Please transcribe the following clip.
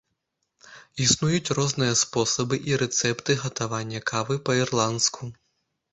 Існуюць розныя спосабы і рэцэпты гатавання кавы па-ірландску.